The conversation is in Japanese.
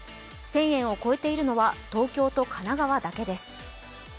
１０００円を超えているのは東京と神奈川だけです。